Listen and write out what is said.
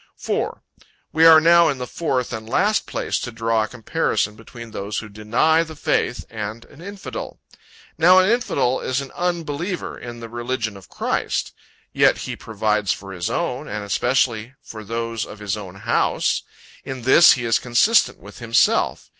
4. We are now in the fourth and last place to draw a comparison between those who deny the faith, and an infidel. Now an infidel, is an unbeliever in the religion of Christ. Yet he provides for his own, and especially for those of his own house. In this he is consistent with himself.